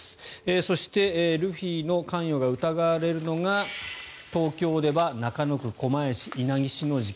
そして、ルフィの関与が疑われるのが東京では中野区、狛江市稲城市の事件。